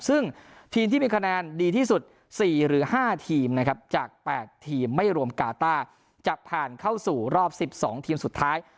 ซึ่งทีมที่มีคะแนนดีที่สุด๔หรือ๕ทีมนะครับจาก๘ทีมไม่รวมกาต้าจะผ่านเข้าสู่รอบ๑๒ทีมสุดท้าย